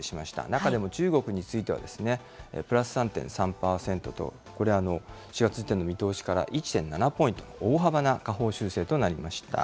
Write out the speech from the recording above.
中でも中国については、プラス３．３％と、これ、４月時点の見通しから１．７ポイント大幅な下方修正となりました。